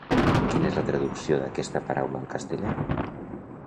Quina és la traducció d'aquesta paraula al castellà?